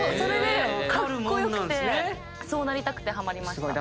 カッコ良くてそうなりたくてハマりました。